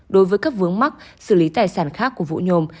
đối với các vướng mắc xử lý tài sản khác của vũ nhôm